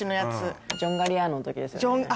ジョン・ガリアーノの時ですよね。